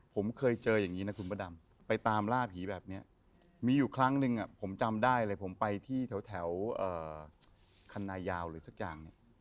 ผมเคยเจออย่างนี้นะคุณพระดำไปตามล่าผีแบบนี้มีอยู่ครั้งหนึ่งผมจำได้เลยผมไปที่แถวคันนายาวหรือสักอย่างเนี่ย